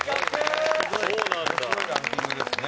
伊達：面白いランキングですね。